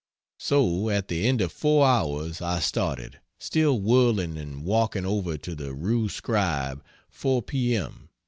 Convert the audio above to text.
So, at the end of four hours I started, still whirling and walked over to the rue Scribe 4 P. M.